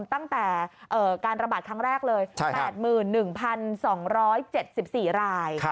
ตั้งแต่การระบาดครั้งแรกเลย๘๑๒๗๔ราย